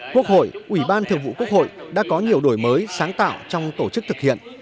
quốc hội ủy ban thường vụ quốc hội đã có nhiều đổi mới sáng tạo trong tổ chức thực hiện